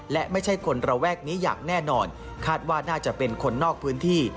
และไม่ใช่คนระแวกนี้อย่างแน่นอนคาดว่าน่าจะเป็นคนนอกพื้นที่